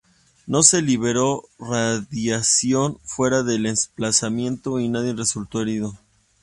No se liberó radiación fuera del emplazamiento, y nadie resultó herido.